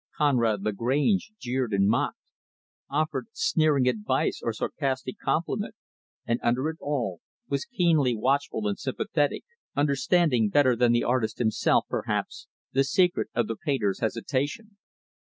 Conrad Lagrange jeered and mocked, offered sneering advice or sarcastic compliment; and, under it all, was keenly watchful and sympathetic understanding better than the artist himself, perhaps, the secret of the painter's hesitation.